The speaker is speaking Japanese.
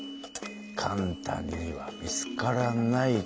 簡単には見つからないか。